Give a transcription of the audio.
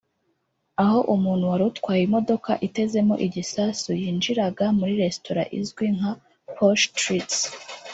aho umuntu wari utwaye imodoka itezemo igisasu yinjiraga muri restaurant izwi nka Posh Treats